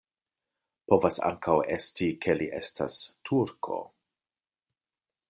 Povas ankaŭ esti, ke li estas turko.